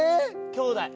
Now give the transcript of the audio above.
きょうだい。